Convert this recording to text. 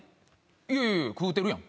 いやいや食うてるやん。